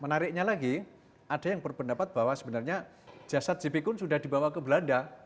menariknya lagi ada yang berpendapat bahwa sebenarnya jasad jp pun sudah dibawa ke belanda